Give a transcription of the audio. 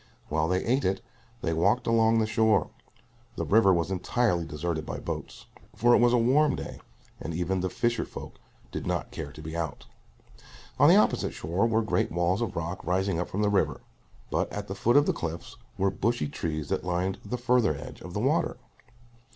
While they ate it, they walked along the shore. The river was entirely deserted by boats, for it was a warm day and even the fisher folk did not care to be out. On the opposite shore were great walls of rock rising up from the river, but at the foot of the cliffs were bushy trees that lined the further edge of the water.